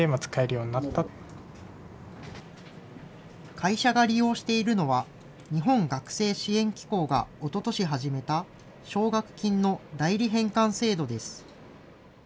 会社が利用しているのは、日本学生支援機構がおととし始めた、奨学金の代理返還制度です。